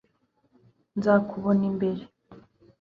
nzakubona imbere